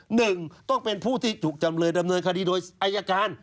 หนึ่งต้องเป็นผู้ที่ถูกจำเลยดำเนินคดีโดยอายการ